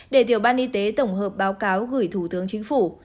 để tiểu ban y tế tổng hợp báo cáo gửi thủ tướng chính phủ